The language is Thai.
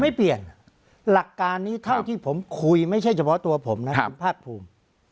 ไม่เปลี่ยนหลักการนี้เท่าที่ผมคุยไม่ใช่เฉพาะตัวผมนะคุณภาคภูมิ